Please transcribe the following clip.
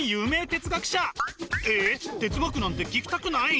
哲学なんて聞きたくない？